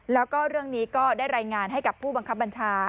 แล้วก็เรื่องนี้ก็ได้รายงานให้กับผู้บังคับบัญชา